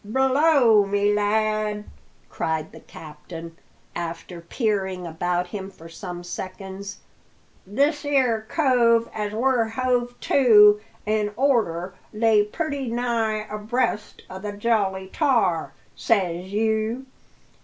"Blow me, lad!" cried the captain, after peering about him for some seconds: "this 'ere cove as we're hove to in orter lay purty nigh abreast o' the Jolly Tar, says you.